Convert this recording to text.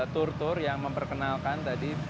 tour tour yang memperkenalkan tadi